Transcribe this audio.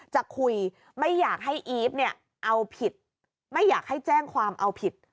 จะคุยไม่อยากให้อีฟเนี่ยเอาผิดไม่อยากให้แจ้งความเอาผิด